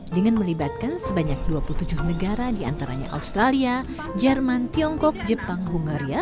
dengan melibatkan sebanyak dua puluh tujuh negara diantaranya australia jerman tiongkok jepang hungaria